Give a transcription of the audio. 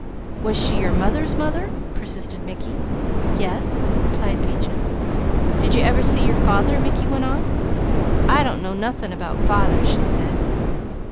"Was she your mother's mother?" persisted Mickey. "Yes," replied Peaches. "Did you ever see your father?" Mickey went on. "I don't know nothing about fathers," she said.